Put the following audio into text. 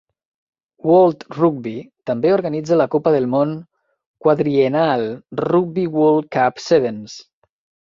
World Rugby també organitza la copa del món quadriennal Rugby World Cup Sevens.